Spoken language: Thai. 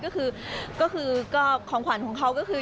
ก็คือก็คือของขวัญของเขาก็คือ